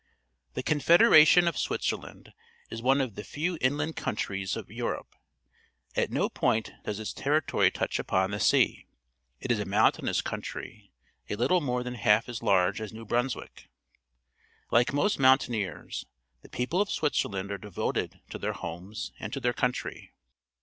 — The con federation of Su'itzerhntd is one of the few inland countries of Europe; at no point does its territory touch upon the sea. It is a mountainous country, a httle more than half as large as New Brunswick. Like most mountaineers, the people of Switzerland are devoted to their homes and to their country.